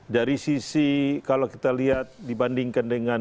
dari sisi kalau kita lihat dibandingkan dengan